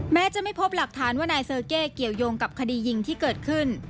แม้จะไม่พบหลักฐานว่านายเซอร์เก้เกี่ยวยงกับคดียิงที่เกิดขึ้น